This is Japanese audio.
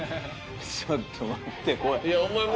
ちょっと待って怖い。